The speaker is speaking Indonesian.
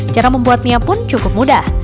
cara membuatnya pun cukup mudah